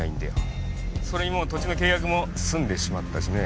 それにもう土地の契約も済んでしまったしね。